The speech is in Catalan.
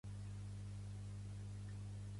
Té una superfície de i té d'alt.